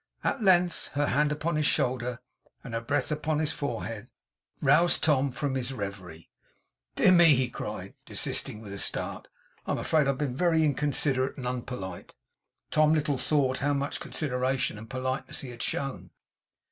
At length, her hand upon his shoulder, and her breath upon his forehead, roused Tom from his reverie. 'Dear me!' he cried, desisting with a start. 'I am afraid I have been very inconsiderate and unpolite.' Tom little thought how much consideration and politeness he had shown!